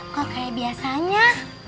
gak kayak biasanya